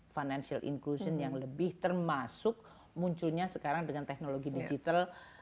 financial inclusion yang lebih termasuk munculnya sekarang dengan teknologi digital